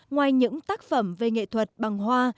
ngoài những tác phẩm về nghệ thuật bằng hoa